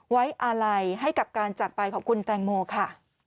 ไว้อาลัยให้กับการจากไปของคุณแตงโมค่ะ